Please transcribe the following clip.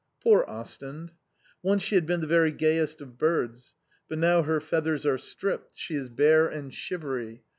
Poor Ostend! Once she had been the very gayest of birds; but now her feathers are stripped, she is bare and shivery.